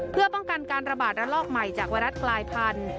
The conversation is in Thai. เพื่อป้องกันการระบาดระลอกใหม่จากไวรัสกลายพันธุ์